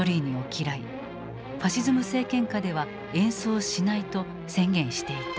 ファシズム政権下では演奏しないと宣言していた。